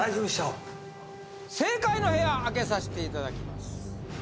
正解の部屋開けさしていただきます